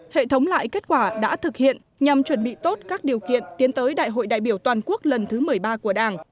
hệ thống lại kết quả đã thực hiện nhằm chuẩn bị tốt các điều kiện tiến tới đại hội đại biểu toàn quốc lần thứ một mươi ba của đảng